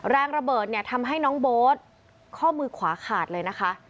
แรงระเบิดเนี่ยทำให้น้องโบ๊ทข้อมือขวาขาดเลยนะคะ